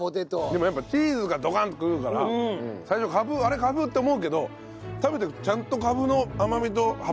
でもやっぱチーズがドカンとくるから最初「あれ？カブ？」って思うけど食べていくとちゃんとカブの甘みと葉っぱとね。